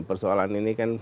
persoalan ini kan